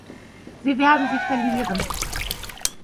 Sie werden sie verlieren.